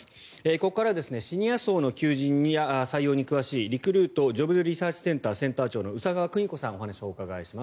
ここからはシニア層の求人や採用に詳しいリクルートジョブズリサーチセンターセンター長の宇佐川邦子さんにお話をお伺いします。